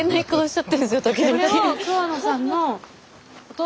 時々。